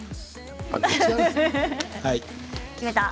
決めた？